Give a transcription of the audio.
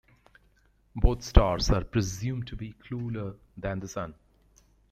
Both stars are presumed to be cooler than the Sun.